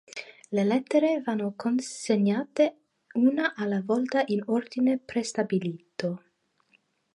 Le lettere vanno consegnate una alla volta in ordine prestabilito.